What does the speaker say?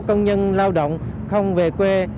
công nhân lao động không về quê